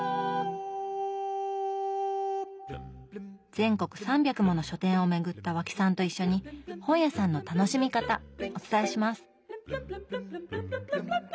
全国３００もの書店を巡った和氣さんと一緒に本屋さんの楽しみ方お伝えします！